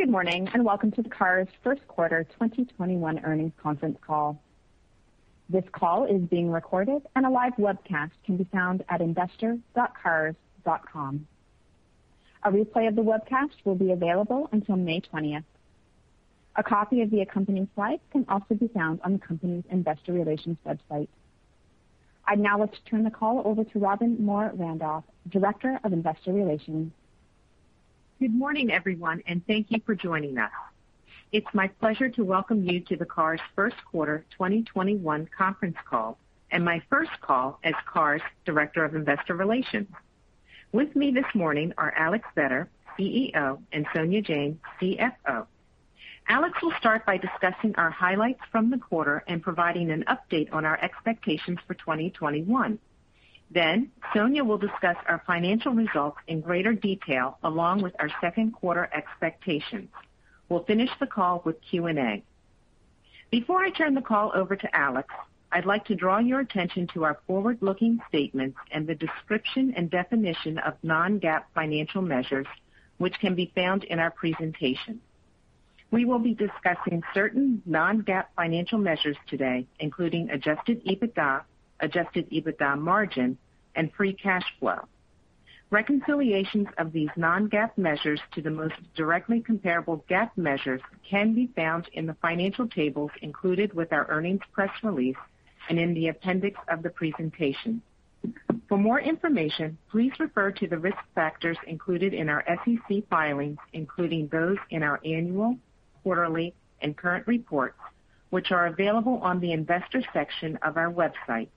Good morning, and welcome to the Cars first quarter 2021 earnings conference call. This call is being recorded and a live webcast can be found at investor.cars.com. A replay of the webcast will be available until May 20th. A copy of the accompanying slides can also be found on the company's Investor Relations website. I'd now like to turn the call over to Robbin Moore-Randolph, Director of Investor Relations. Good morning, everyone, and thank you for joining us. It's my pleasure to welcome you to the Cars.com first quarter 2021 conference call and my first call as Cars' Director of Investor Relations. With me this morning are Alex Vetter, CEO, and Sonia Jain, CFO. Alex will start by discussing our highlights from the quarter and providing an update on our expectations for 2021. Sonia will discuss our financial results in greater detail, along with our second quarter expectations. We'll finish the call with Q&A. Before I turn the call over to Alex, I'd like to draw your attention to our forward-looking statements and the description and definition of non-GAAP financial measures, which can be found in our presentation. We will be discussing certain non-GAAP financial measures today, including adjusted EBITDA, adjusted EBITDA margin, and free cash flow. Reconciliations of these non-GAAP measures to the most directly comparable GAAP measures can be found in the financial tables included with our earnings press release and in the appendix of the presentation. For more information, please refer to the risk factors included in our SEC filings, including those in our annual, quarterly, and current reports, which are available on the Investor section of our website.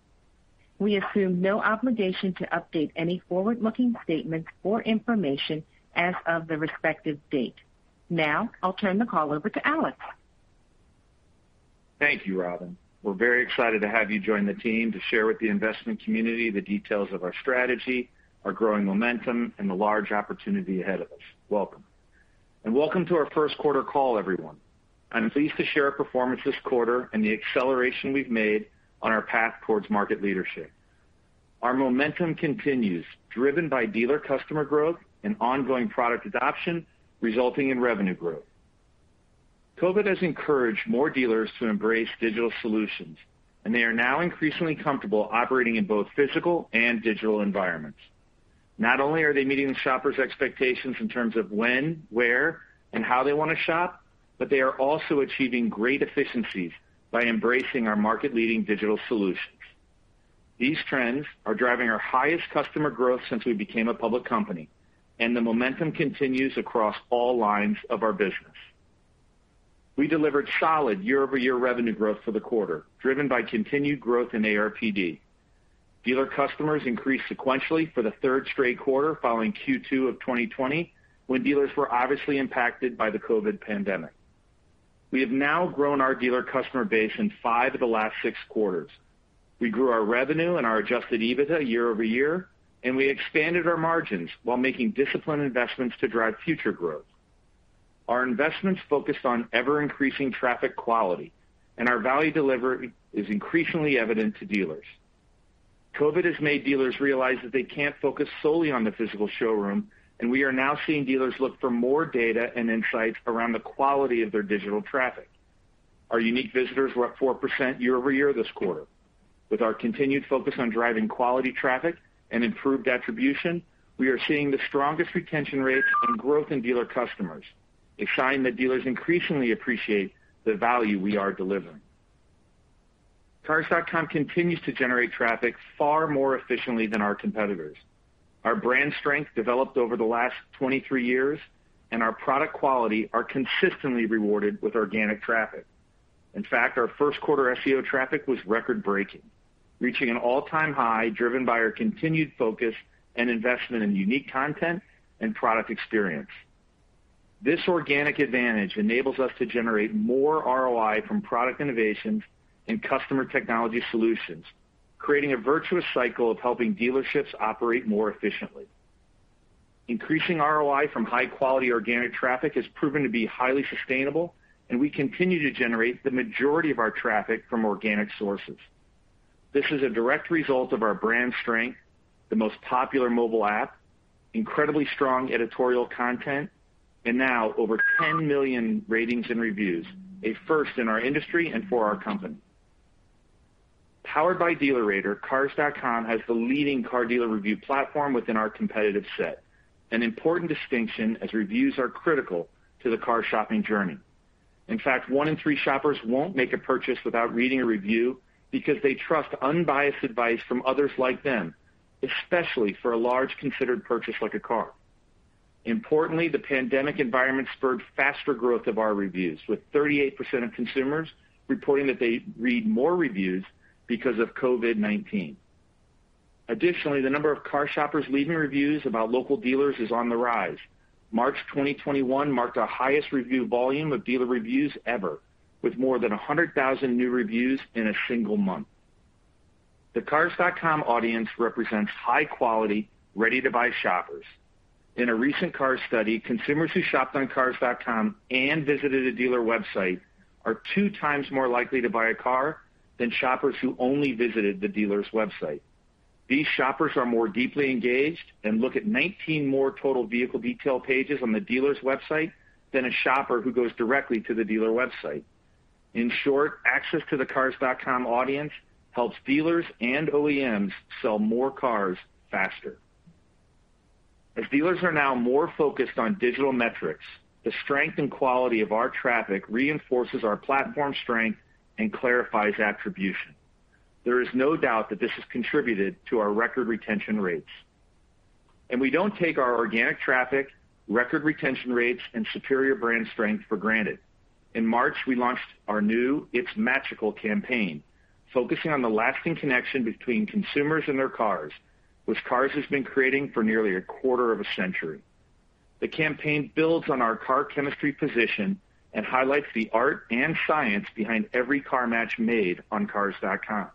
We assume no obligation to update any forward-looking statements or information as of the respective date. Now, I'll turn the call over to Alex. Thank you, Robbin. We're very excited to have you join the team to share with the investment community the details of our strategy, our growing momentum, and the large opportunity ahead of us. Welcome. Welcome to our first quarter call, everyone. I'm pleased to share our performance this quarter and the acceleration we've made on our path towards market leadership. Our momentum continues, driven by dealer customer growth and ongoing product adoption, resulting in revenue growth. COVID has encouraged more dealers to embrace digital solutions, and they are now increasingly comfortable operating in both physical and digital environments. Not only are they meeting shoppers' expectations in terms of when, where, and how they want to shop, but they are also achieving great efficiencies by embracing our market-leading digital solutions. These trends are driving our highest customer growth since we became a public company, and the momentum continues across all lines of our business. We delivered solid year-over-year revenue growth for the quarter, driven by continued growth in ARPD. Dealer customers increased sequentially for the third straight quarter following Q2 of 2020, when dealers were obviously impacted by the COVID pandemic. We have now grown our dealer customer base in five of the last six quarters. We grew our revenue and our adjusted EBITDA year over year, and we expanded our margins while making disciplined investments to drive future growth. Our investments focused on ever-increasing traffic quality, and our value delivery is increasingly evident to dealers. COVID has made dealers realize that they can't focus solely on the physical showroom, and we are now seeing dealers look for more data and insights around the quality of their digital traffic. Our unique visitors were up 4% year-over-year this quarter. With our continued focus on driving quality traffic and improved attribution, we are seeing the strongest retention rates and growth in dealer customers, a sign that dealers increasingly appreciate the value we are delivering. Cars.com continues to generate traffic far more efficiently than our competitors. Our brand strength developed over the last 23 years and our product quality are consistently rewarded with organic traffic. In fact, our first quarter SEO traffic was record-breaking, reaching an all-time high driven by our continued focus and investment in unique content and product experience. This organic advantage enables us to generate more ROI from product innovations and customer technology solutions, creating a virtuous cycle of helping dealerships operate more efficiently. Increasing ROI from high-quality organic traffic has proven to be highly sustainable, and we continue to generate the majority of our traffic from organic sources. This is a direct result of our brand strength, the most popular mobile app, incredibly strong editorial content, and now over 10 million ratings and reviews, a first in our industry and for our company. Powered by DealerRater, Cars.com has the leading car dealer review platform within our competitive set, an important distinction as reviews are critical to the car shopping journey. In fact, one in three shoppers won't make a purchase without reading a review because they trust unbiased advice from others like them, especially for a large considered purchase like a car. Importantly, the pandemic environment spurred faster growth of our reviews, with 38% of consumers reporting that they read more reviews because of COVID-19. Additionally, the number of car shoppers leaving reviews about local dealers is on the rise. March 2021 marked our highest review volume of dealer reviews ever, with more than 100,000 new reviews in a single month. The Cars.com audience represents high-quality, ready-to-buy shoppers. In a recent cars study, consumers who shopped on Cars.com and visited a dealer website are 2x more likely to buy a car than shoppers who only visited the dealer's website. These shoppers are more deeply engaged and look at 19 more total vehicle detail pages on the dealer's website than a shopper who goes directly to the dealer website. In short, access to the Cars.com audience helps dealers and OEMs sell more cars faster. As dealers are now more focused on digital metrics, the strength and quality of our traffic reinforces our platform strength and clarifies attribution. There is no doubt that this has contributed to our record retention rates. We don't take our organic traffic, record retention rates, and superior brand strength for granted. In March, we launched our new It's Matchical campaign, focusing on the lasting connection between consumers and their cars, which Cars.com has been creating for nearly a quarter of a century. The campaign builds on our car chemistry position and highlights the art and science behind every car match made on Cars.com.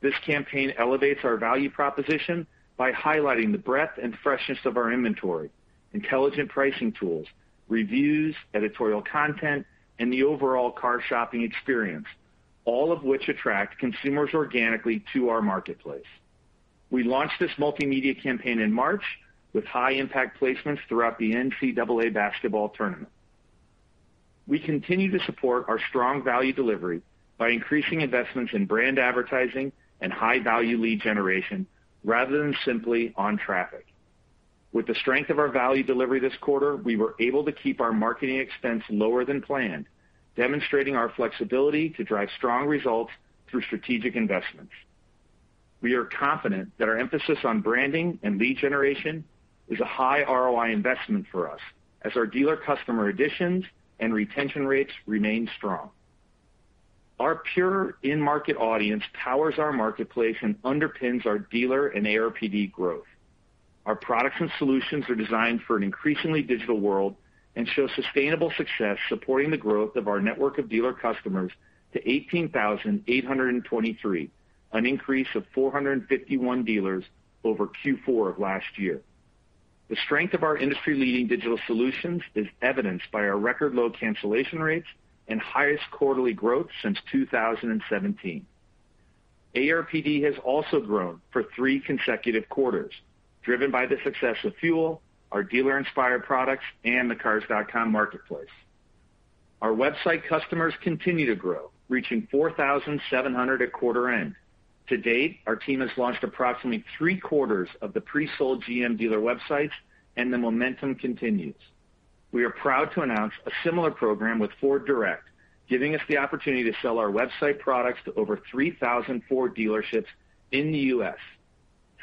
This campaign elevates our value proposition by highlighting the breadth and freshness of our inventory, intelligent pricing tools, reviews, editorial content, and the overall car shopping experience, all of which attract consumers organically to our marketplace. We launched this multimedia campaign in March with high impact placements throughout the NCAA basketball tournament. We continue to support our strong value delivery by increasing investments in brand advertising and high value lead generation rather than simply on traffic. With the strength of our value delivery this quarter, we were able to keep our marketing expense lower than planned, demonstrating our flexibility to drive strong results through strategic investments. We are confident that our emphasis on branding and lead generation is a high ROI investment for us as our dealer customer additions and retention rates remain strong. Our pure in-market audience powers our marketplace and underpins our dealer and ARPD growth. Our products and solutions are designed for an increasingly digital world and show sustainable success supporting the growth of our network of dealer customers to 18,823, an increase of 451 dealers over Q4 of last year. The strength of our industry-leading digital solutions is evidenced by our record low cancellation rates and highest quarterly growth since 2017. ARPD has also grown for three consecutive quarters, driven by the success of FUEL, our Dealer Inspire products, and the Cars.com marketplace. Our website customers continue to grow, reaching 4,700 at quarter end. To date, our team has launched approximately three-quarters of the pre-sold GM dealer websites, and the momentum continues. We are proud to announce a similar program with FordDirect, giving us the opportunity to sell our website products to over 3,000 Ford dealerships in the U.S.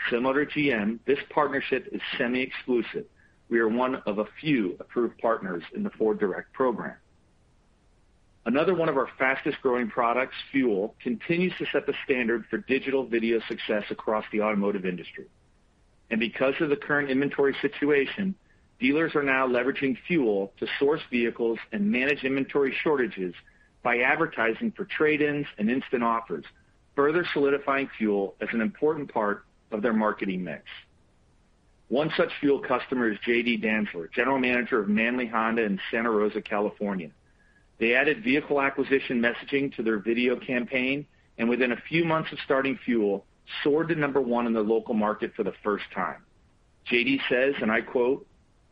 Similar to GM, this partnership is semi-exclusive. We are one of a few approved partners in the FordDirect program. Another one of our fastest-growing products, FUEL, continues to set the standard for digital video success across the automotive industry. Because of the current inventory situation, dealers are now leveraging FUEL to source vehicles and manage inventory shortages by advertising for trade-ins and instant offers, further solidifying FUEL as an important part of their marketing mix. One such FUEL customer is J.D. Dantzler, General Manager of Manly Honda in Santa Rosa, California. They added vehicle acquisition messaging to their video campaign, and within a few months of starting FUEL, soared to number one in their local market for the first time. J.D. says, and I quote,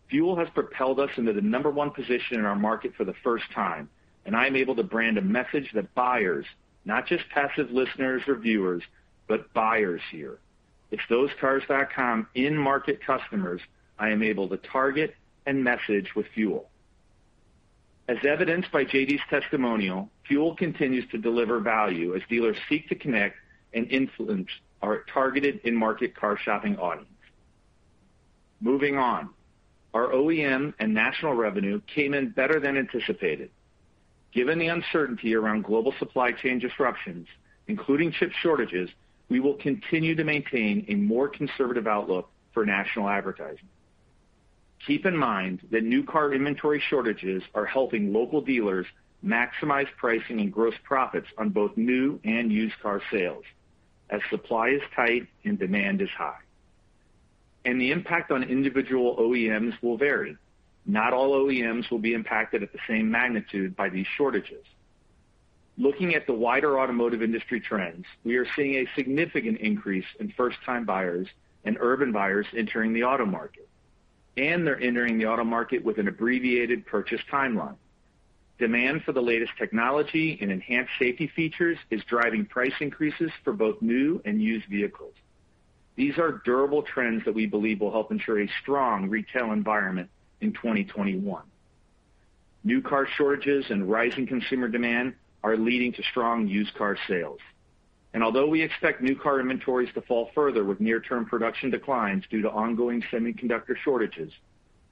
"FUEL has propelled us into the number one position in our market for the first time, and I am able to brand a message that buyers, not just passive listeners or viewers, but buyers hear. It's those Cars.com in-market customers I am able to target and message with FUEL. As evidenced by J.D.'s testimonial, FUEL continues to deliver value as dealers seek to connect and influence our targeted in-market car shopping audience. Moving on. Our OEM and national revenue came in better than anticipated. Given the uncertainty around global supply chain disruptions, including chip shortages, we will continue to maintain a more conservative outlook for national advertising. Keep in mind that new car inventory shortages are helping local dealers maximize pricing and gross profits on both new and used car sales as supply is tight and demand is high. The impact on individual OEMs will vary. Not all OEMs will be impacted at the same magnitude by these shortages. Looking at the wider automotive industry trends, we are seeing a significant increase in first-time buyers and urban buyers entering the auto market, and they're entering the auto market with an abbreviated purchase timeline. Demand for the latest technology and enhanced safety features is driving price increases for both new and used vehicles. These are durable trends that we believe will help ensure a strong retail environment in 2021. New car shortages and rising consumer demand are leading to strong used car sales. Although we expect new car inventories to fall further with near-term production declines due to ongoing semiconductor shortages,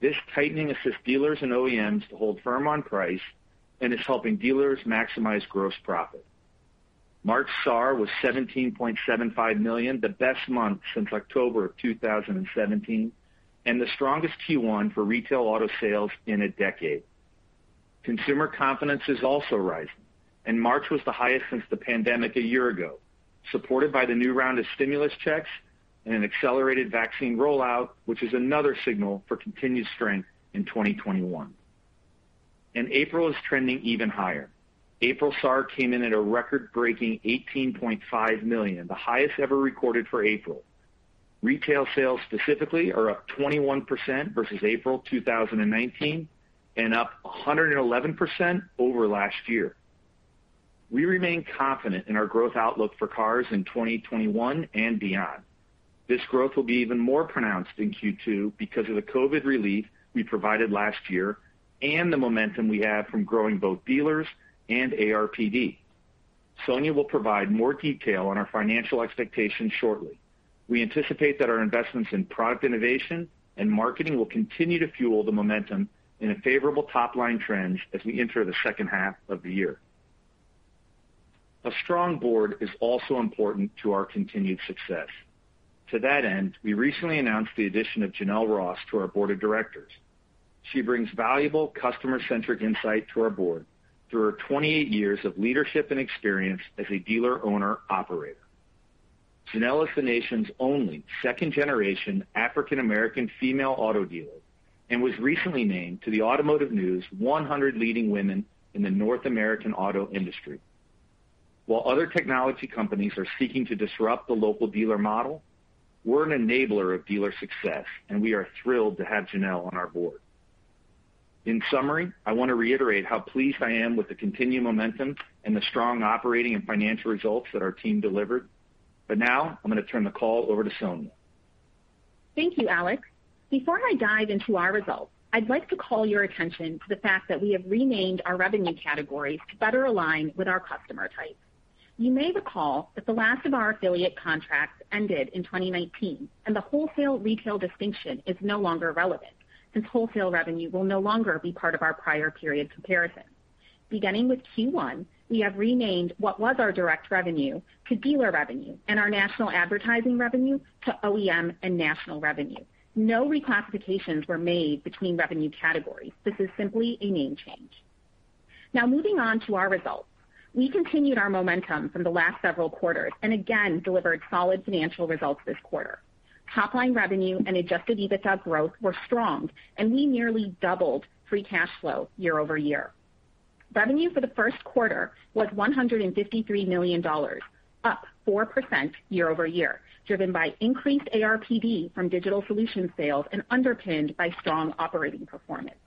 this tightening assists dealers and OEMs to hold firm on price and is helping dealers maximize gross profit. March SAAR was 17.75 million, the best month since October of 2017, and the strongest Q1 for retail auto sales in a decade. Consumer confidence is also rising, March was the highest since the pandemic a year ago, supported by the new round of stimulus checks and an accelerated vaccine rollout, which is another signal for continued strength in 2021. April is trending even higher. April SAAR came in at a record-breaking 18.5 million, the highest ever recorded for April. Retail sales specifically are up 21% versus April 2019 and up 111% over last year. We remain confident in our growth outlook for Cars.com in 2021 and beyond. This growth will be even more pronounced in Q2 because of the COVID relief we provided last year and the momentum we have from growing both dealers and ARPD. Sonia will provide more detail on our financial expectations shortly. We anticipate that our investments in product innovation and marketing will continue to fuel the momentum in a favorable top-line trend as we enter the second half of the year. A strong board is also important to our continued success. To that end, we recently announced the addition of Jenell Ross to our board of directors. She brings valuable customer-centric insight to our board through her 28 years of leadership and experience as a dealer owner/operator. Jenell is the nation's only second-generation African American female auto dealer and was recently named to the Automotive News 100 leading women in the North American auto industry. While other technology companies are seeking to disrupt the local dealer model, we're an enabler of dealer success, and we are thrilled to have Jenell on our board. In summary, I want to reiterate how pleased I am with the continued momentum and the strong operating and financial results that our team delivered. Now I'm going to turn the call over to Sonia. Thank you, Alex. Before I dive into our results, I'd like to call your attention to the fact that we have renamed our revenue categories to better align with our customer types. You may recall that the last of our affiliate contracts ended in 2019, and the wholesale/retail distinction is no longer relevant, since wholesale revenue will no longer be part of our prior period comparison. Beginning with Q1, we have renamed what was our direct revenue to dealer revenue and our national advertising revenue to OEM and national revenue. No reclassifications were made between revenue categories. This is simply a name change. Now moving on to our results. We continued our momentum from the last several quarters and again delivered solid financial results this quarter. Top-line revenue and adjusted EBITDA growth were strong, and we nearly doubled free cash flow year-over-year. Revenue for the first quarter was $153 million, up 4% year-over-year, driven by increased ARPD from digital solution sales and underpinned by strong operating performance.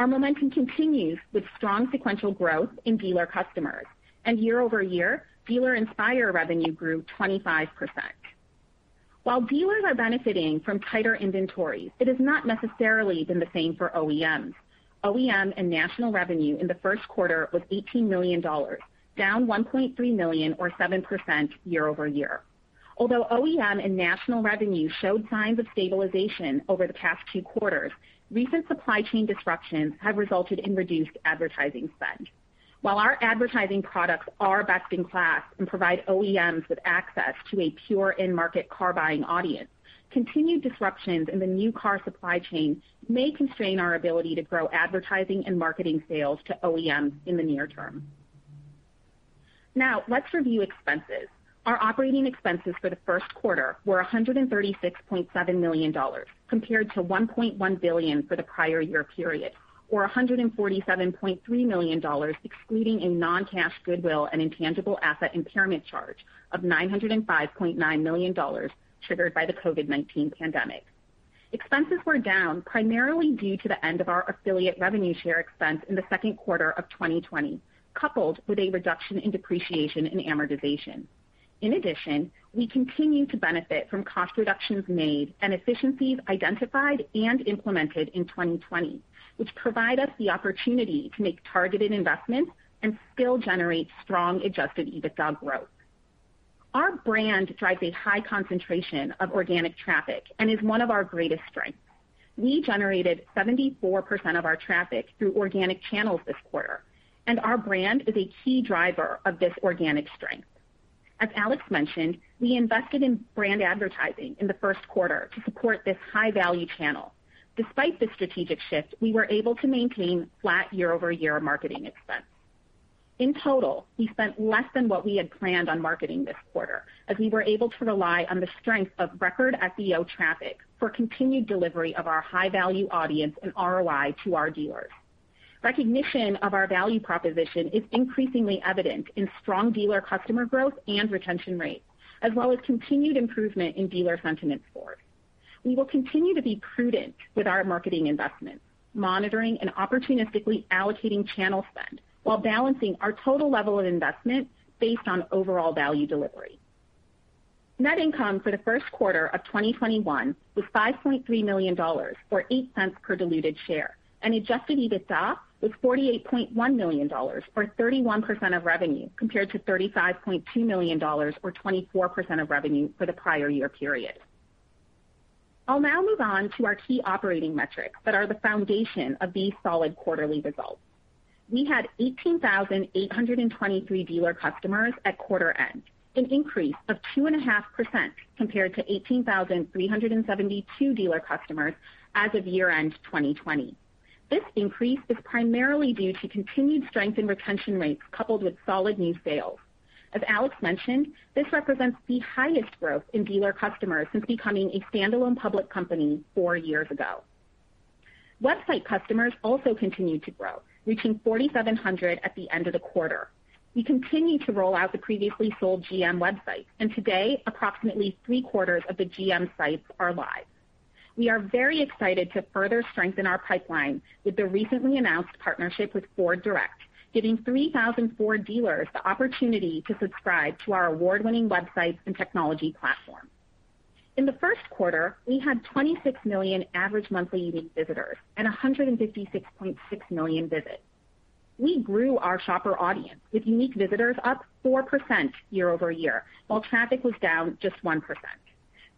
Our momentum continues with strong sequential growth in dealer customers. Year-over-year, Dealer Inspire revenue grew 25%. While dealers are benefiting from tighter inventories, it has not necessarily been the same for OEMs. OEM and national revenue in the first quarter was $18 million, down $1.3 million or 7% year-over-year. Although OEM and national revenue showed signs of stabilization over the past two quarters, recent supply chain disruptions have resulted in reduced advertising spend. While our advertising products are best in class and provide OEMs with access to a pure end market car buying audience, continued disruptions in the new car supply chain may constrain our ability to grow advertising and marketing sales to OEMs in the near term. Let's review expenses. Our operating expenses for the first quarter were $136.7 million, compared to $1.1 billion for the prior year period, or $147.3 million, excluding a non-cash goodwill and intangible asset impairment charge of $905.9 million triggered by the COVID-19 pandemic. Expenses were down primarily due to the end of our affiliate revenue share expense in the second quarter of 2020, coupled with a reduction in depreciation and amortization. We continue to benefit from cost reductions made and efficiencies identified and implemented in 2020, which provide us the opportunity to make targeted investments and still generate strong adjusted EBITDA growth. Our brand drives a high concentration of organic traffic and is one of our greatest strengths. We generated 74% of our traffic through organic channels this quarter, and our brand is a key driver of this organic strength. As Alex mentioned, we invested in brand advertising in the first quarter to support this high-value channel. Despite the strategic shift, we were able to maintain flat year-over-year marketing expense. In total, we spent less than what we had planned on marketing this quarter, as we were able to rely on the strength of record FBO traffic for continued delivery of our high-value audience and ROI to our dealers. Recognition of our value proposition is increasingly evident in strong dealer customer growth and retention rates, as well as continued improvement in dealer sentiment scores. We will continue to be prudent with our marketing investments, monitoring and opportunistically allocating channel spend while balancing our total level of investment based on overall value delivery. Net income for the first quarter of 2021 was $5.3 million, or $0.08 per diluted share, and adjusted EBITDA was $48.1 million, or 31% of revenue, compared to $35.2 million, or 24% of revenue for the prior year period. I'll now move on to our key operating metrics that are the foundation of these solid quarterly results. We had 18,823 dealer customers at quarter end, an increase of 2.5% compared to 18,372 dealer customers as of year-end 2020. This increase is primarily due to continued strength in retention rates coupled with solid new sales. As Alex mentioned, this represents the highest growth in dealer customers since becoming a standalone public company four years ago. Website customers also continued to grow, reaching 4,700 at the end of the quarter. We continue to roll out the previously sold GM websites, and today approximately three-quarters of the GM sites are live. We are very excited to further strengthen our pipeline with the recently announced partnership with FordDirect, giving 3,000 Ford dealers the opportunity to subscribe to our award-winning websites and technology platform. In the first quarter, we had 26 million average monthly unique visitors and 156.6 million visits. We grew our shopper audience with unique visitors up 4% year-over-year, while traffic was down just 1%.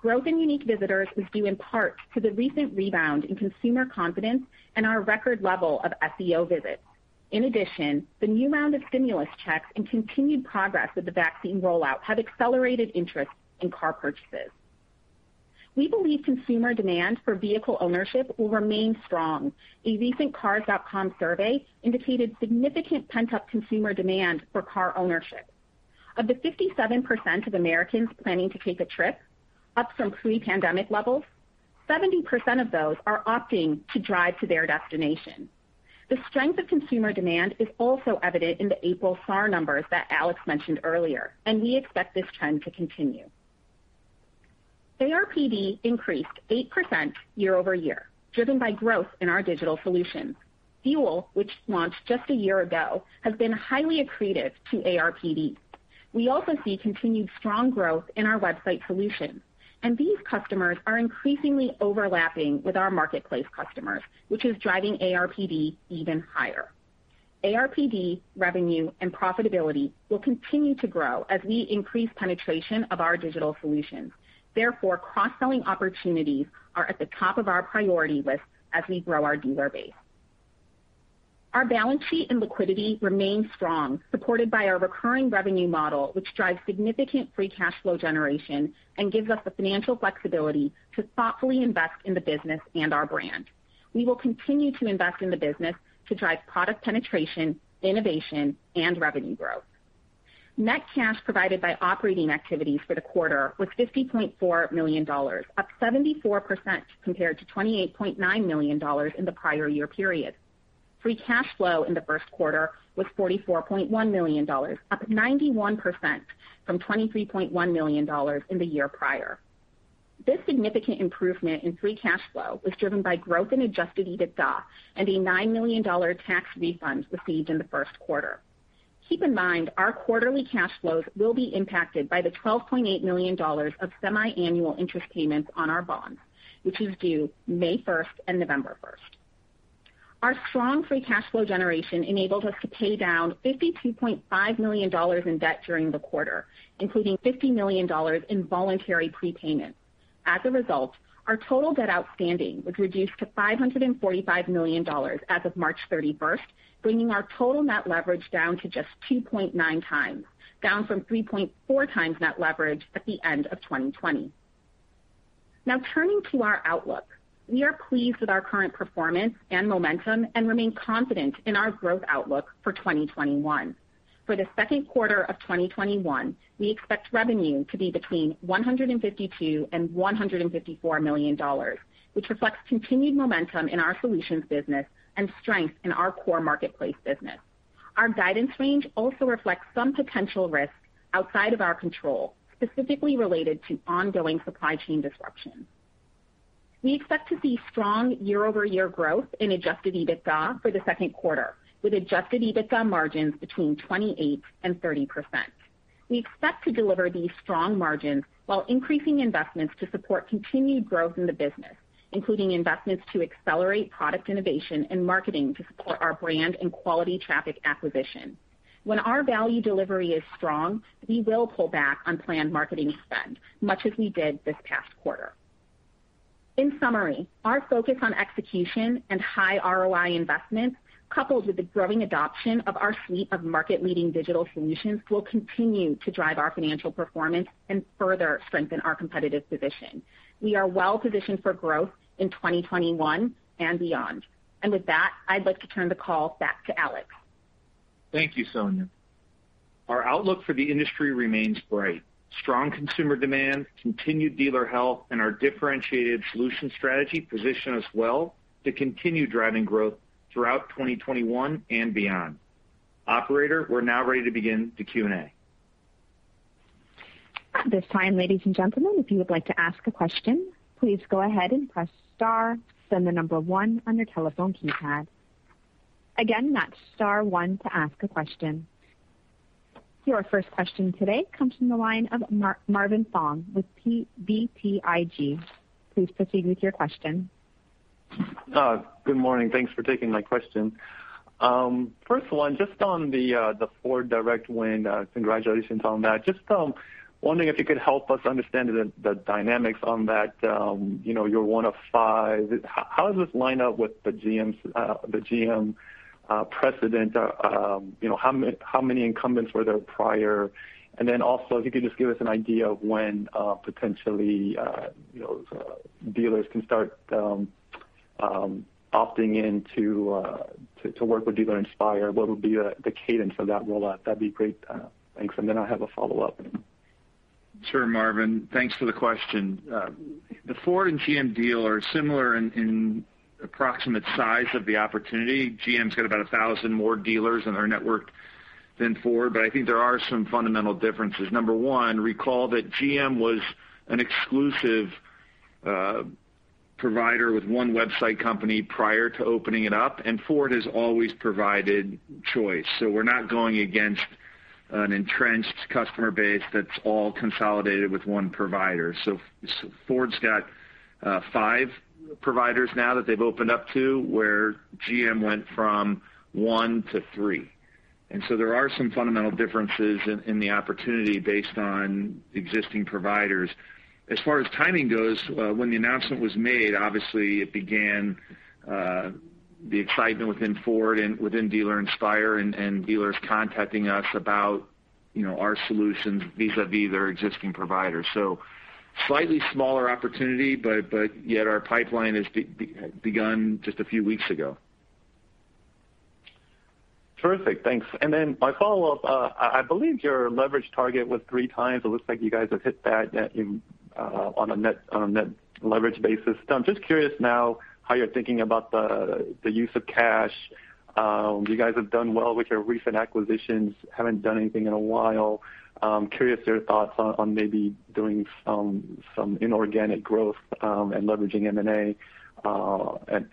Growth in unique visitors was due in part to the recent rebound in consumer confidence and our record level of FCO visits. In addition, the new round of stimulus checks and continued progress with the vaccine rollout have accelerated interest in car purchases. We believe consumer demand for vehicle ownership will remain strong. A recent Cars.com survey indicated significant pent-up consumer demand for car ownership. Of the 57% of Americans planning to take a trip, up from pre-pandemic levels, 70% of those are opting to drive to their destination. The strength of consumer demand is also evident in the April SAAR numbers that Alex mentioned earlier, and we expect this trend to continue. ARPD increased 8% year-over-year, driven by growth in our digital solutions. FUEL, which launched just a year ago, has been highly accretive to ARPD. We also see continued strong growth in our website solutions, and these customers are increasingly overlapping with our marketplace customers, which is driving ARPD even higher. ARPD revenue and profitability will continue to grow as we increase penetration of our digital solutions. Therefore, cross-selling opportunities are at the top of our priority list as we grow our dealer base. Our balance sheet and liquidity remain strong, supported by our recurring revenue model, which drives significant free cash flow generation and gives us the financial flexibility to thoughtfully invest in the business and our brand. We will continue to invest in the business to drive product penetration, innovation, and revenue growth. Net cash provided by operating activities for the quarter was $50.4 million, up 74% compared to $28.9 million in the prior year period. Free cash flow in the first quarter was $44.1 million, up 91% from $23.1 million in the year prior. This significant improvement in free cash flow was driven by growth in adjusted EBITDA and a $9 million tax refund received in the first quarter. Keep in mind our quarterly cash flows will be impacted by the $12.8 million of semiannual interest payments on our bonds, which is due May 1st and November 1st. Our strong free cash flow generation enabled us to pay down $52.5 million in debt during the quarter, including $50 million in voluntary prepayment. As a result, our total debt outstanding was reduced to $545 million as of March 31st, bringing our total net leverage down to just 2.9x, down from 3.4x net leverage at the end of 2020. Turning to our outlook. We are pleased with our current performance and momentum and remain confident in our growth outlook for 2021. For the second quarter of 2021, we expect revenue to be between $152 million and $154 million, which reflects continued momentum in our solutions business and strength in our core marketplace business. Our guidance range also reflects some potential risks outside of our control, specifically related to ongoing supply chain disruptions. We expect to see strong year-over-year growth in adjusted EBITDA for the second quarter, with adjusted EBITDA margins between 28% and 30%. We expect to deliver these strong margins while increasing investments to support continued growth in the business, including investments to accelerate product innovation and marketing to support our brand and quality traffic acquisition. When our value delivery is strong, we will pull back on planned marketing spend, much as we did this past quarter. In summary, our focus on execution and high ROI investments, coupled with the growing adoption of our suite of market-leading digital solutions, will continue to drive our financial performance and further strengthen our competitive position. We are well positioned for growth in 2021 and beyond. With that, I'd like to turn the call back to Alex. Thank you, Sonia. Our outlook for the industry remains bright. Strong consumer demand, continued dealer health, and our differentiated solutions strategy position us well to continue driving growth throughout 2021 and beyond. Operator, we're now ready to begin the Q&A. At this time, ladies and gentlemen, if you would like to ask a question, please go ahead and press star, then the number one on your telephone keypad. Again, that's star one to ask a question. Your first question today comes from the line of Marvin Fong with BTIG. Please proceed with your question. Good morning. Thanks for taking my question. First one, just on the FordDirect win, congratulations on that. Just wondering if you could help us understand the dynamics on that. You're one of five. How does this line up with the GM precedent? How many incumbents were there prior? Then also, if you could just give us an idea of when potentially dealers can start opting in to work with Dealer Inspire, what would be the cadence of that rollout? That'd be great. Thanks. Then I have a follow-up. Sure, Marvin. Thanks for the question. The Ford and GM deal are similar in approximate size of the opportunity. GM's got about 1,000 more dealers in their network than Ford, but I think there are some fundamental differences. Number one, recall that GM was an exclusive provider with one website company prior to opening it up, and Ford has always provided choice. We're not going against an entrenched customer base that's all consolidated with one provider. Ford's got five providers now that they've opened up to, where GM went from one to three. There are some fundamental differences in the opportunity based on existing providers. As far as timing goes, when the announcement was made, obviously it began the excitement within Ford and within Dealer Inspire, and dealers contacting us about our solutions vis-a-vis their existing providers. Slightly smaller opportunity, but yet our pipeline has begun just a few weeks ago. My follow-up, I believe your leverage target was 3x. It looks like you guys have hit that on a net leverage basis. I'm just curious now how you're thinking about the use of cash. You guys have done well with your recent acquisitions, haven't done anything in a while. Curious your thoughts on maybe doing some inorganic growth, and leveraging M&A,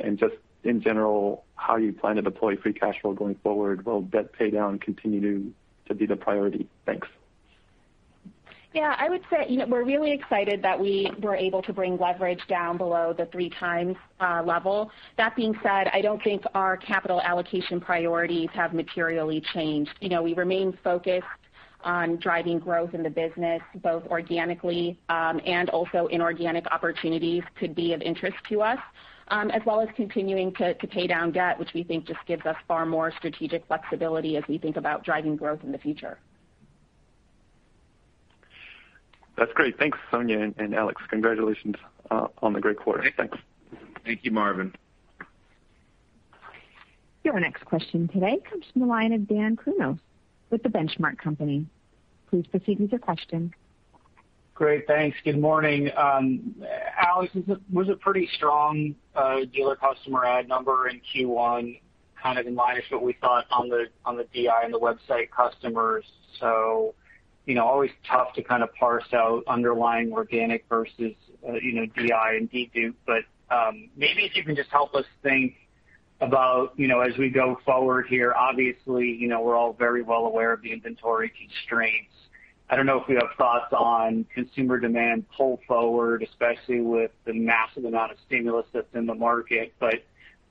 and just in general, how you plan to deploy free cash flow going forward. Will debt pay down continue to be the priority? Thanks. Yeah, I would say, we're really excited that we were able to bring leverage down below the 3x level. That being said, I don't think our capital allocation priorities have materially changed. We remain focused on driving growth in the business, both organically and also inorganic opportunities could be of interest to us, as well as continuing to pay down debt, which we think just gives us far more strategic flexibility as we think about driving growth in the future. That's great. Thanks, Sonia and Alex. Congratulations on the great quarter. Thanks. Thank you, Marvin. Your next question today comes from the line of Dan Kurnos with The Benchmark Company. Please proceed with your question. Great. Thanks. Good morning. Alex, it was a pretty strong dealer customer add number in Q1, kind of in line with what we thought on the DI and the website customers. Always tough to kind of parse out underlying organic versus DI and dedup, maybe if you can just help us think about as we go forward here, obviously, we're all very well aware of the inventory constraints. I don't know if you have thoughts on consumer demand pull forward, especially with the massive amount of stimulus that's in the market.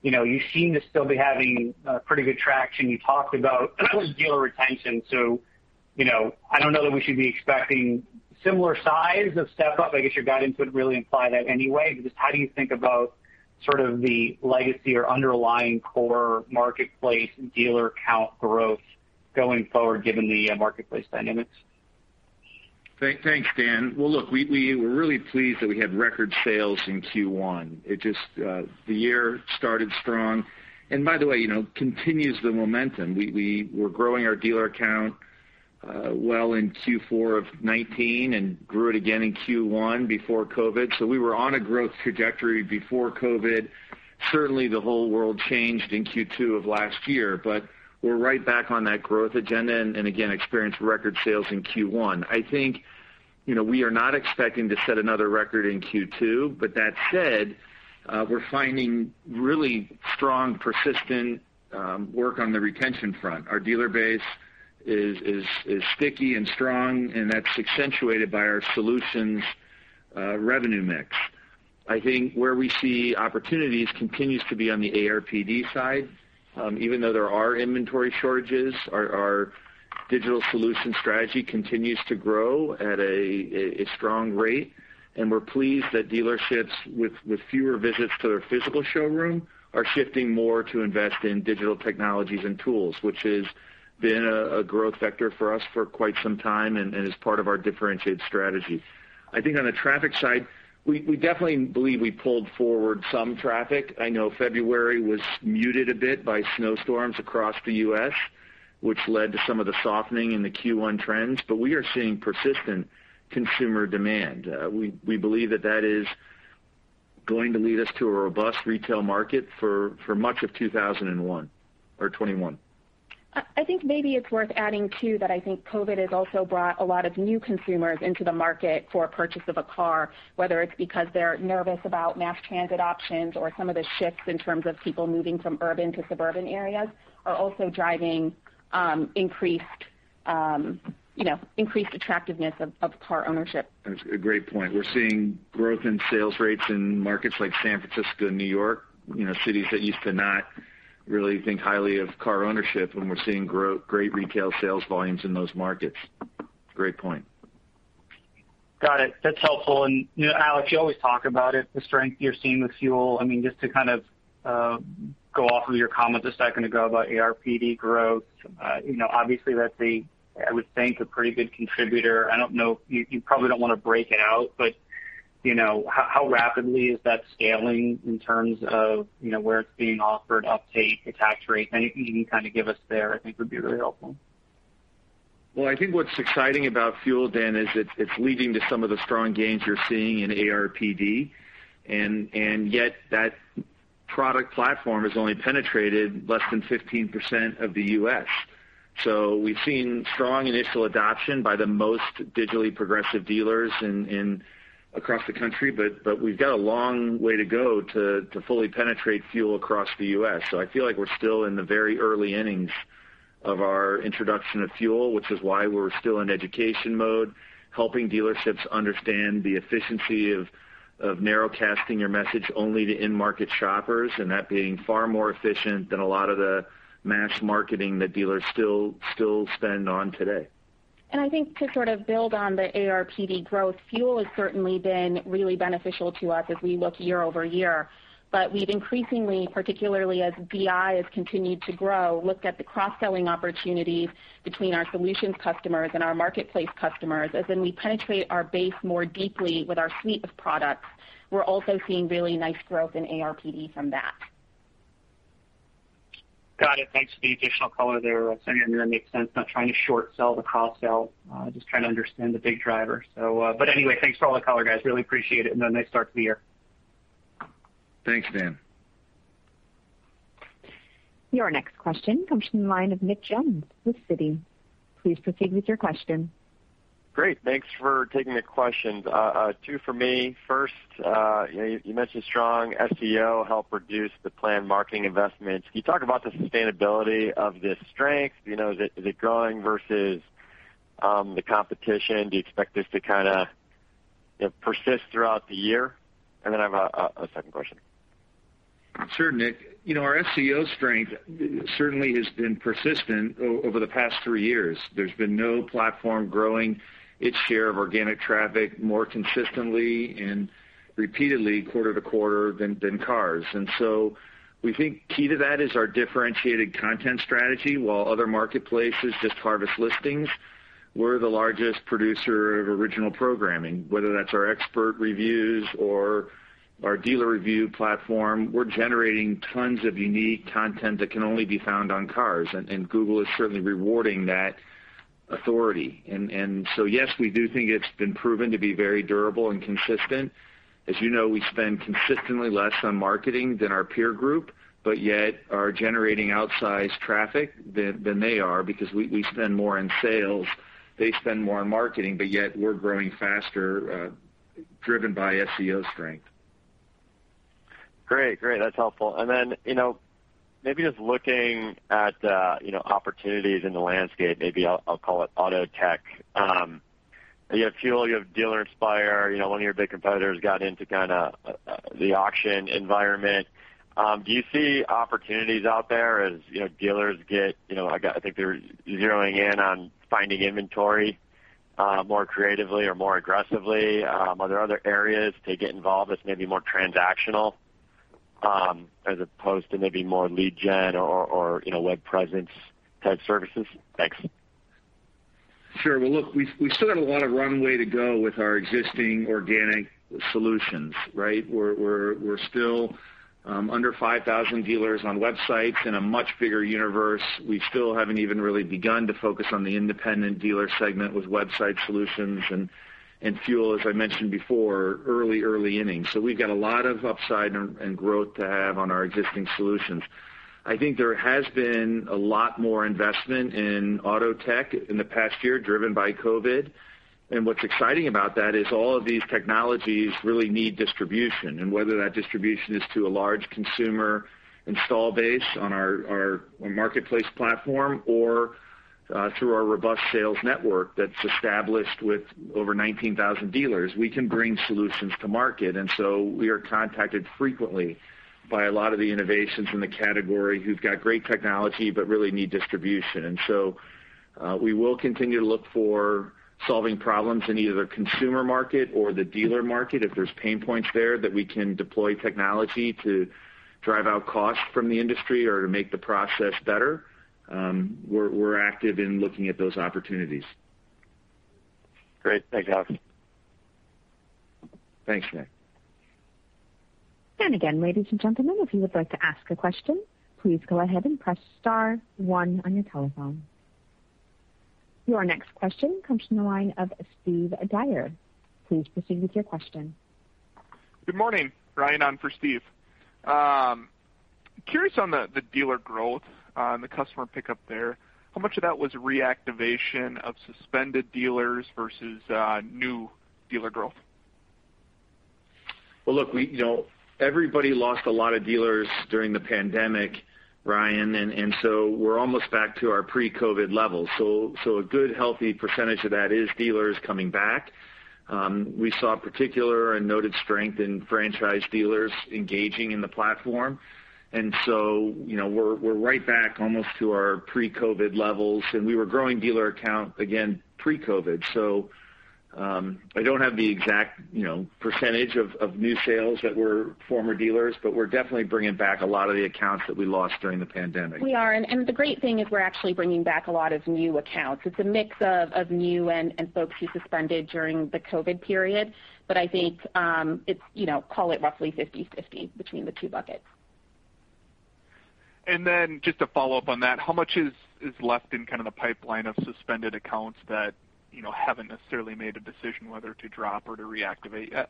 You seem to still be having pretty good traction. You talked about dealer retention. I don't know that we should be expecting similar size of step up. I guess your guidance would really imply that anyway, but just how do you think about sort of the legacy or underlying core marketplace dealer count growth going forward given the marketplace dynamics? Thanks, Dan. Well, look, we're really pleased that we had record sales in Q1. The year started strong, and by the way, continues the momentum. We were growing our dealer count well in Q4 of 2019, and grew it again in Q1 before COVID. We were on a growth trajectory before COVID. Certainly, the whole world changed in Q2 of last year. We're right back on that growth agenda, and again, experienced record sales in Q1. I think we are not expecting to set another record in Q2. That said, we're finding really strong, persistent work on the retention front. Our dealer base is sticky and strong, and that's accentuated by our solutions revenue mix. I think where we see opportunities continues to be on the ARPD side. Even though there are inventory shortages, our digital solution strategy continues to grow at a strong rate, and we're pleased that dealerships with fewer visits to their physical showroom are shifting more to invest in digital technologies and tools, which has been a growth vector for us for quite some time and is part of our differentiated strategy. I think on the traffic side, we definitely believe we pulled forward some traffic. I know February was muted a bit by snowstorms across the U.S., which led to some of the softening in the Q1 trends. We are seeing persistent consumer demand. We believe that that is going to lead us to a robust retail market for much of 2001 or 2021. I think maybe it's worth adding, too, that I think COVID has also brought a lot of new consumers into the market for a purchase of a car, whether it's because they're nervous about mass transit options or some of the shifts in terms of people moving from urban to suburban areas are also driving increased attractiveness of car ownership. That's a great point. We're seeing growth in sales rates in markets like San Francisco and New York, cities that used to not really think highly of car ownership, and we're seeing great retail sales volumes in those markets. Great point. Got it. That's helpful. Alex, you always talk about it, the strength you're seeing with FUEL. I mean, just to go off of your comments a second ago about ARPD growth. Obviously, that's, I would think, a pretty good contributor. I don't know, you probably don't want to break it out, but how rapidly is that scaling in terms of where it's being offered, uptake, attach rate? Anything you can kind of give us there I think would be really helpful. I think what's exciting about Fuel, Dan, is it's leading to some of the strong gains you're seeing in ARPD, and yet that product platform has only penetrated less than 15% of the U.S. We've seen strong initial adoption by the most digitally progressive dealers across the country, but we've got a long way to go to fully penetrate Fuel across the U.S. I feel like we're still in the very early innings of our introduction of Fuel, which is why we're still in education mode, helping dealerships understand the efficiency of narrow casting your message only to in-market shoppers, and that being far more efficient than a lot of the mass marketing that dealers still spend on today. I think to sort of build on the ARPD growth, FUEL has certainly been really beneficial to us as we look year-over-year. We've increasingly, particularly as DI has continued to grow, looked at the cross-selling opportunities between our solutions customers and our marketplace customers. As in we penetrate our base more deeply with our suite of products. We're also seeing really nice growth in ARPD from that. Got it. Thanks for the additional color there, Sonia Jain. I mean, that makes sense. Not trying to short sell the cross sell, just trying to understand the big driver. Anyway, thanks for all the color, guys. Really appreciate it and a nice start to the year. Thanks, Dan. Your next question comes from the line of Nick Jones with Citi. Please proceed with your question. Great. Thanks for taking the questions. Two for me. First, you mentioned strong SEO help reduce the planned marketing investments. Can you talk about the sustainability of this strength? Is it growing versus the competition? Do you expect this to kind of persist throughout the year? Then I have a second question. Sure, Nick. Our SEO strength certainly has been persistent over the past three years. There's been no platform growing its share of organic traffic more consistently and repeatedly quarter to quarter than Cars.com. We think key to that is our differentiated content strategy. While other marketplaces just harvest listings, we're the largest producer of original programming. Whether that's our expert reviews or our dealer review platform, we're generating tons of unique content that can only be found on Cars.com, and Google is certainly rewarding that authority. Yes, we do think it's been proven to be very durable and consistent. As you know, we spend consistently less on marketing than our peer group, but yet are generating outsized traffic than they are because we spend more in sales. They spend more on marketing, but yet we're growing faster, driven by SEO strength. Great. That's helpful. Maybe just looking at opportunities in the landscape, maybe I'll call it auto tech. You have FUEL, you have Dealer Inspire. One of your big competitors got into kind of the auction environment. Do you see opportunities out there as dealers get, I think they're zeroing in on finding inventory more creatively or more aggressively. Are there other areas to get involved that's maybe more transactional as opposed to maybe more lead gen or web presence type services? Thanks. Sure. Well, look, we still got a lot of runway to go with our existing organic solutions, right? We're still under 5,000 dealers on websites in a much bigger universe. We still haven't even really begun to focus on the independent dealer segment with website solutions and FUEL, as I mentioned before, early innings. We've got a lot of upside and growth to have on our existing solutions. I think there has been a lot more investment in auto tech in the past year driven by COVID. What's exciting about that is all of these technologies really need distribution. Whether that distribution is to a large consumer install base on our marketplace platform or through our robust sales network that's established with over 19,000 dealers, we can bring solutions to market. We are contacted frequently by a lot of the innovations in the category who've got great technology but really need distribution. We will continue to look for solving problems in either consumer market or the dealer market. If there's pain points there that we can deploy technology to drive out cost from the industry or to make the process better, we're active in looking at those opportunities. Great. Thanks, Alex. Thanks, Nick. Again, ladies and gentlemen, if you would like to ask a question, please go ahead and press star one on your telephone. Your next question comes from the line of Steve Dyer. Please proceed with your question. Good morning. Ryan on for Steve. Curious on the dealer growth and the customer pickup there. How much of that was reactivation of suspended dealers versus new dealer growth? Well, look, everybody lost a lot of dealers during the pandemic, Ryan. We're almost back to our pre-COVID levels. A good healthy % of that is dealers coming back. We saw particular and noted strength in franchise dealers engaging in the platform. We're right back almost to our pre-COVID levels. We were growing dealer account again pre-COVID. I don't have the exact % of new sales that were former dealers, but we're definitely bringing back a lot of the accounts that we lost during the pandemic. We are, and the great thing is we're actually bringing back a lot of new accounts. It's a mix of new and folks who suspended during the COVID period. I think, call it roughly 50/50 between the two buckets. Just to follow up on that, how much is left in kind of the pipeline of suspended accounts that haven't necessarily made a decision whether to drop or to reactivate yet?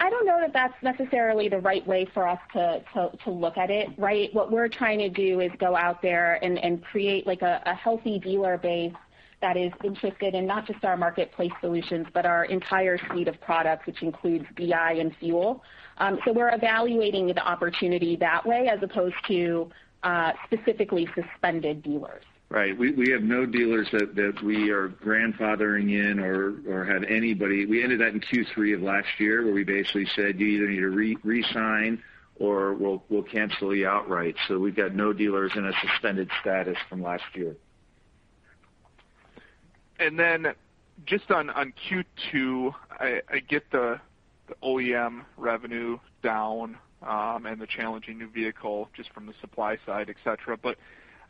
I don't know that that's necessarily the right way for us to look at it. What we're trying to do is go out there and create a healthy dealer base that is interested in not just our marketplace solutions, but our entire suite of products, which includes DI and FUEL. We're evaluating the opportunity that way as opposed to specifically suspended dealers. Right. We have no dealers that we are grandfathering in. We ended that in Q3 of last year where we basically said, "You either need to re-sign or we'll cancel you outright." We've got no dealers in a suspended status from last year. Just on Q2, I get the OEM revenue down and the challenging new vehicle just from the supply side, et cetera.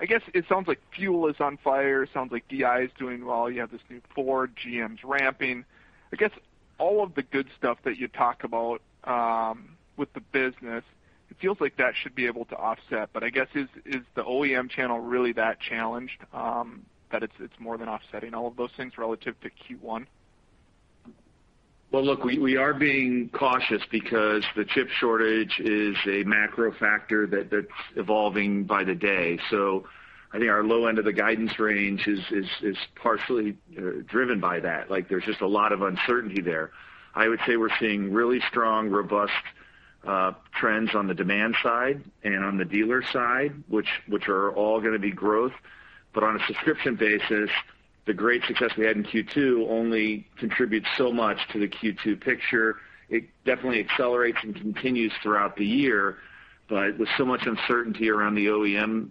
I guess it sounds like FUEL is on fire, sounds like DI is doing well. You have this new Ford. GM's ramping. I guess all of the good stuff that you talk about with the business, it feels like that should be able to offset. I guess, is the OEM channel really that challenged that it's more than offsetting all of those things relative to Q1? Well, look, we are being cautious because the chip shortage is a macro factor that's evolving by the day. I think our low end of the guidance range is partially driven by that. There's just a lot of uncertainty there. I would say we're seeing really strong, robust trends on the demand side and on the dealer side, which are all going to be growth. On a subscription basis, the great success we had in Q2 only contributes so much to the Q2 picture. It definitely accelerates and continues throughout the year, but with so much uncertainty around the OEM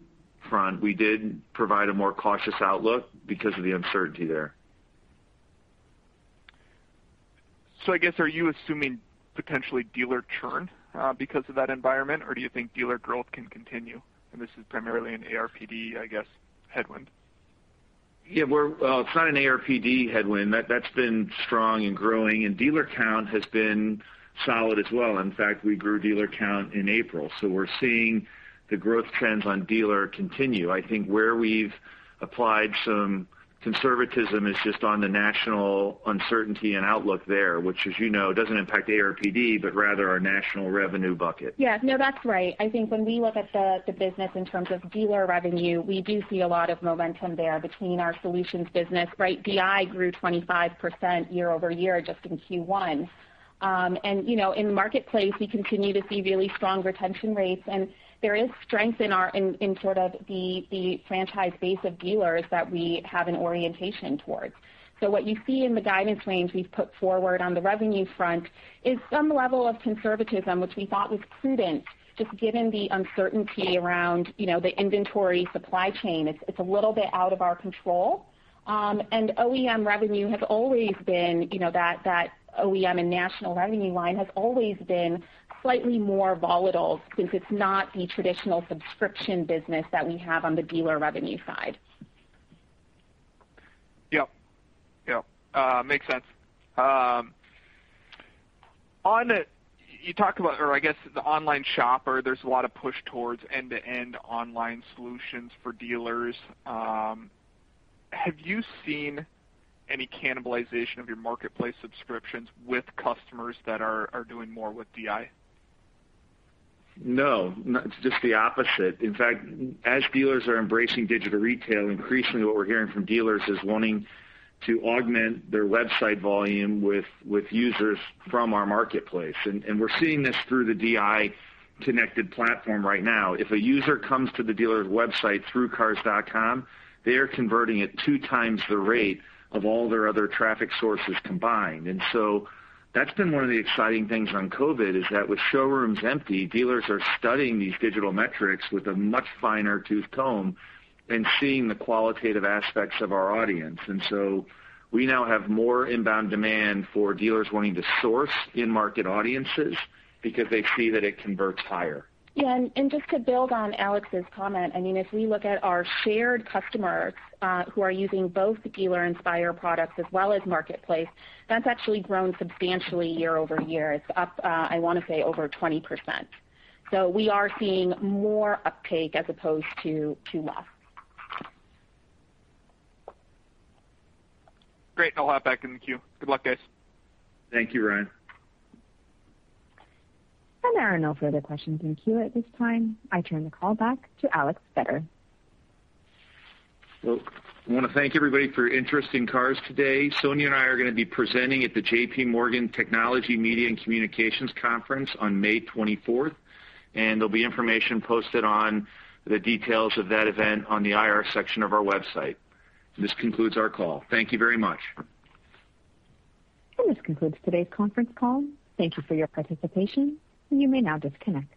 front, we did provide a more cautious outlook because of the uncertainty there. I guess, are you assuming potentially dealer churn because of that environment, or do you think dealer growth can continue, and this is primarily an ARPD headwind? Yeah. Well, it's not an ARPD headwind. That's been strong and growing, and dealer count has been solid as well. In fact, we grew dealer count in April, so we're seeing the growth trends on dealer continue. I think where we've applied some conservatism is just on the national uncertainty and outlook there, which as you know, doesn't impact ARPD, but rather our national revenue bucket. No, that's right. I think when we look at the business in terms of dealer revenue, we do see a lot of momentum there between our solutions business. DI grew 25% year-over-year just in Q1. In the marketplace, we continue to see really strong retention rates, and there is strength in sort of the franchise base of dealers that we have an orientation towards. What you see in the guidance range we've put forward on the revenue front is some level of conservatism, which we thought was prudent, just given the uncertainty around the inventory supply chain. It's a little bit out of our control. That OEM and national revenue line has always been slightly more volatile since it's not the traditional subscription business that we have on the dealer revenue side. Yep. Makes sense. You talked about the online shopper. There's a lot of push towards end-to-end online solutions for dealers. Have you seen any cannibalization of your marketplace subscriptions with customers that are doing more with DI? No, it's just the opposite. In fact, as dealers are embracing digital retail, increasingly what we're hearing from dealers is wanting to augment their website volume with users from our marketplace. We're seeing this through the DI connected platform right now. If a user comes to the dealer's website through cars.com, they are converting at 2x the rate of all their other traffic sources combined. That's been one of the exciting things on COVID, is that with showrooms empty, dealers are studying these digital metrics with a much finer tooth comb and seeing the qualitative aspects of our audience. We now have more inbound demand for dealers wanting to source in-market audiences because they see that it converts higher. Yeah, just to build on Alex's comment, if we look at our shared customers who are using both the Dealer Inspire products as well as marketplace, that's actually grown substantially year-over-year. It's up, I want to say, over 20%. We are seeing more uptake as opposed to less. Great. I'll hop back in the queue. Good luck, guys. Thank you, Ryan. There are no further questions in queue at this time. I turn the call back to Alex Vetter. Well, I want to thank everybody for interest in Cars today. Sonia and I are going to be presenting at the JPMorgan Technology, Media and Communications Conference on May 24th, and there'll be information posted on the details of that event on the IR section of our website. This concludes our call. Thank you very much. This concludes today's conference call. Thank you for your participation, and you may now disconnect.